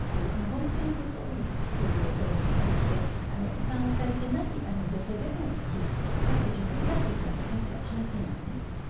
本当に細いチューブで取ることができてお産をされていない女性でもできるましてや出血があるときは検査がしやすいんですね。